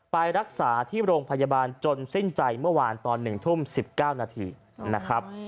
ไปรักษาที่โรงพยาบาลจนสิ้นใจเมื่อวานตอน๑ทุ่ม๑๙นาทีนะครับ